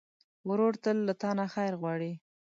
ورور تل له تا نه خیر غواړي.